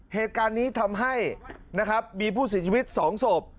เหตุการณ์นี้ทำให้นะครับมีผู้เสียชีวิต๒ศพ